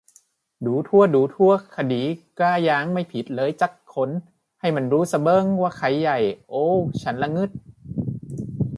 ดูถั๊วะ ดูถั๊วะ คดีกล้ายาง ไม่ผิดเลยจั๊กคน ให้มันรู้ซะเบิ้งว่าใครใหญ่ โอ้วฉันล่ะงึด